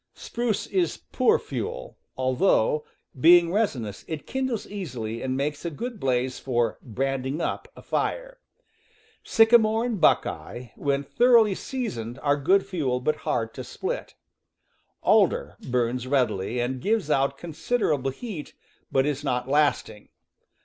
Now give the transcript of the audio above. Spruce is poor fuel, although, being resinous, it kindles easily and makes a good blaze for "branding up" a fire. Sycamore and buckeye, when thoroughly seasoned, are good fuel, but hard to split. Alder burns readily and gives out considerable heat, but is not lasting.